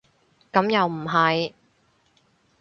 咁又唔係